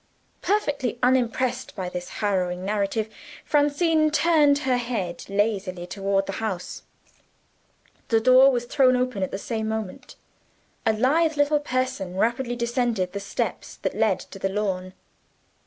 Perfectly unimpressed by this harrowing narrative, Francine turned her head lazily toward the house. The door was thrown open at the same moment. A lithe little person rapidly descended the steps that led to the lawn.